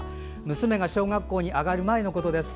娘が小学校に上がる前のことです。